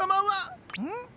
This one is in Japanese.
ん？